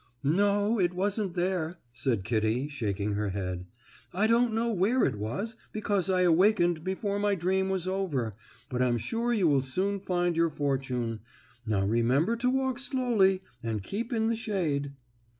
"No, it wasn't there," said Kittie, shaking her head. "I don't know where it was because I awakened before my dream was over, but I'm sure you will soon find your fortune. Now remember to walk slowly, and keep in the shade."